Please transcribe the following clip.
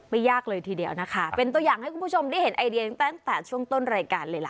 ยากเลยทีเดียวนะคะเป็นตัวอย่างให้คุณผู้ชมได้เห็นไอเดียตั้งแต่ช่วงต้นรายการเลยล่ะ